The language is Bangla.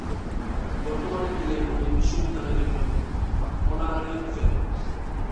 বর্তমানে তিনি এখন এই বিশ্ববিদ্যালয়ের একজন অনারারি ফেলো।